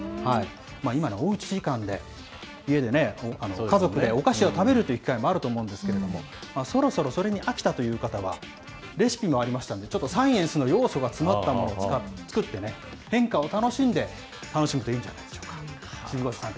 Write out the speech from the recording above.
今、おうち時間で、家でね、家族でお菓子を食べるっていう機会もあると思うんですけれども、そろそろそれに飽きたという方はレシピもありましたんで、ちょっとサイエンスの要素が詰まったものを作って、変化を楽しんで楽しむといいと思います。